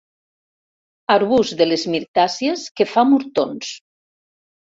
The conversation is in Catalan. Arbust de les mirtàcies que fa murtons.